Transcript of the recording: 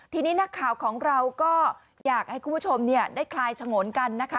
ทีนี้นักข่าวของเราก็อยากให้คุณผู้ชมได้คลายฉงนกันนะคะ